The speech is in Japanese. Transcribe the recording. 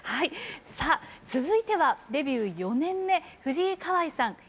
さあ続いてはデビュー４年目藤井香愛さん。